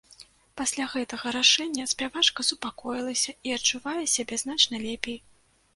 Пасля гэтага рашэння спявачка супакоілася і адчувае сябе значна лепей.